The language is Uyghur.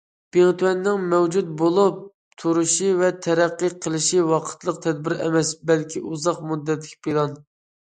بىڭتۈەننىڭ مەۋجۇت بولۇپ تۇرۇشى ۋە تەرەققىي قىلىشى ۋاقىتلىق تەدبىر ئەمەس، بەلكى ئۇزاق مۇددەتلىك پىلان.